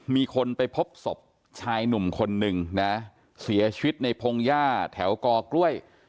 มีคนไปพบศพชายหนุ่มคนหนึ่งนะเสียชีวิตในพงหญ้าแถวกอกล้วย